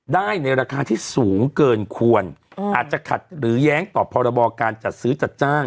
ได้ในราคาที่สูงเกินควรอาจจะขัดหรือแย้งต่อพรบการจัดซื้อจัดจ้าง